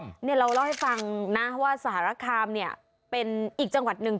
เราเล่าให้ฟังนะว่าสหรัฐคามเป็นอีกจังหวัดหนึ่ง